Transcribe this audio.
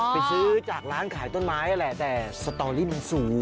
ไปซื้อจากร้านขายต้นไม้นั่นแหละแต่สตอรี่มันสูง